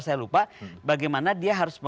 saya lupa bagaimana dia harus